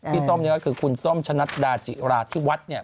พี่ซ่อมนี่ก็คือคุณซ่อมชะนัดดาจิราธิวัฒน์นี่